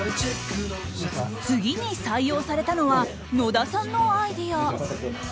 次に採用されたのは野田さんのアイデア。